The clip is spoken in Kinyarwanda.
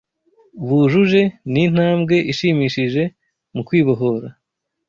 bujuje ni intambwe ishimishije mu kwibohora